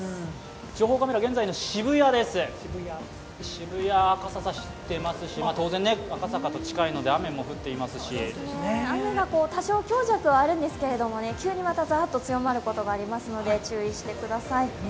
情報カメラ、現在の渋谷は傘差してますし、当然、赤坂と近いので雨が多少強弱はあるんですが急にまだザーッと強まることがありますので、注してください。